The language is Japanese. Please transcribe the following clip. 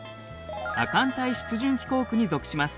亜寒帯湿潤気候区に属します。